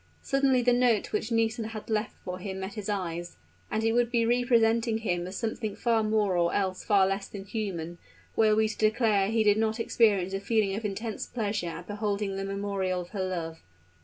Suddenly the note which Nisida had left for him met his eyes; and it would be representing him as something far more or else far less than human, were we to declare he did not experience a feeling of intense pleasure at beholding the memorial of her love.